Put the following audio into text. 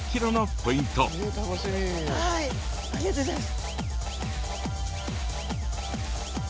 スタジオはいありがとうございます。